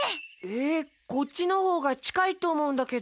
えっこっちのほうがちかいとおもうんだけど。